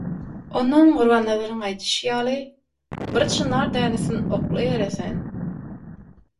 Ondan Gurbannazaryň aýdyşy ýaly «Bir çynar dänesin okla ýere sen…»